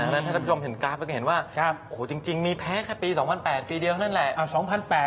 ถ้าคุณชมถึงกราฟก็จะเห็นว่าจริงมีแพ้แค่ปี๒๐๐๘ปีเดียวนั่นแหละ